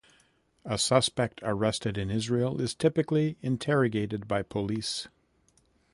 A suspect arrested in Israel is typically interrogated by police.